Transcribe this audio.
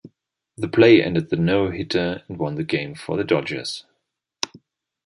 The play ended the no-hitter and won the game for the Dodgers.